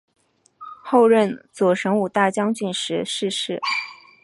后任左神武大将军时逝世。